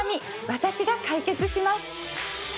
私が解決します